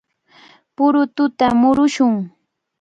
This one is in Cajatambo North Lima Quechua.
¡Purututa murumushun!